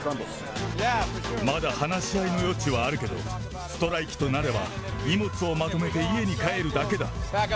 まだ話し合いの余地はあるけど、ストライキとなれば、荷物をまとめて家に帰るだけだ。